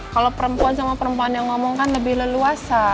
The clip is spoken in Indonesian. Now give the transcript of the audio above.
kalau perempuan sama perempuan yang ngomong kan lebih leluasa